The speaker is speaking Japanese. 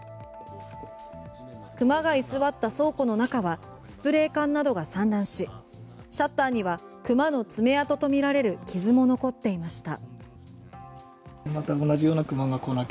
熊が居座った倉庫の中はスプレー缶などが散乱しシャッターには熊の爪痕とみられる傷も残っていました。